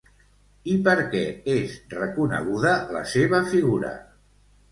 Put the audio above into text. I per què és reconeguda la seva figura?